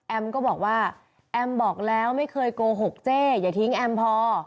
ก็บอกว่าแอมบอกแล้วไม่เคยโกหกเจ๊อย่าทิ้งแอมพอ